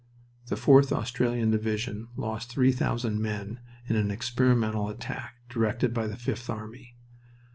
The 4th Australian Division lost three thousand men in an experimental attack directed by the Fifth Army.